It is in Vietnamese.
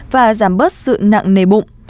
và giảm bớt sự nặng nề bụng